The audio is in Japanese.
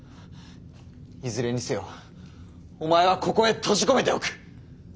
いずれにせよお前はここへ閉じ込めておく！